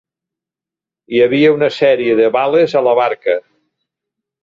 Hi havia una sèrie de bales a la barca.